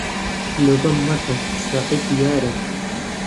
لۆمە مەکەن ساحەب یارن